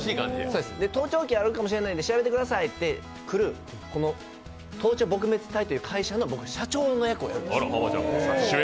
盗聴器あるかもしれないんで調べてくださいって来るこの盗聴撲滅隊という会社の社長をやるんです。